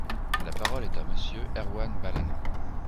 La parole est à Monsieur Erwan Balanant.